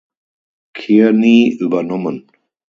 Kearney übernommen.